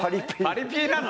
パリピなの？